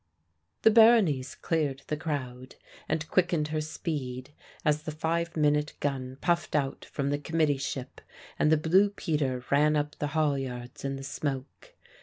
The Berenice cleared the crowd and quickened her speed as the five minute gun puffed out from the committee ship and the Blue Peter ran up the halyards in the smoke.